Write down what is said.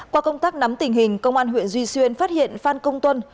qua công tác nắm tình hình công an huyện duy xuyên phát hiện phan công tuân